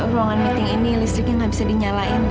ruangan meeting ini listriknya tidak bisa dinyalakan